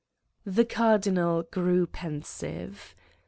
" The Cardinal grew pensive.